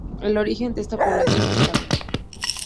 El origen de esta población es árabe.